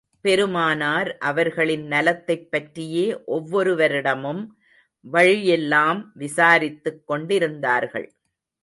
பெருமானார் அவர்களின் நலத்தைப் பற்றியே ஒவ்வொருவரிடமும் வழியெல்லாம் விசாரித்துக் கொண்டிருந்தார்கள்.